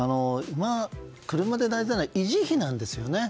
車で大事なのは維持費なんですよね。